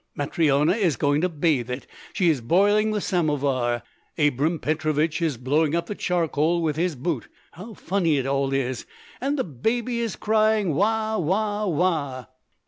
Matryona is going to bathe it; she is boiling the samovar. Abram Petrovich is blowing up the charcoal with his boot. How funny it all is. And the baby is crying: "Wa, wa, wa!""